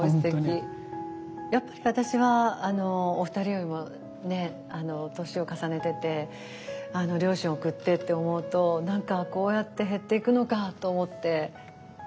やっぱり私はお二人よりも年を重ねてて両親を送ってって思うと何かこうやって減っていくのかと思って。